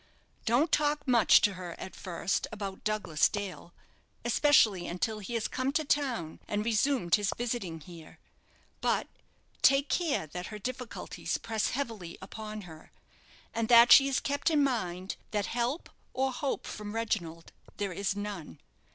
Don't talk much to her at first about Douglas Dale, especially until he has come to town and has resumed his visiting here; but take care that her difficulties press heavily upon her, and that she is kept in mind that help or hope from Reginald there is none.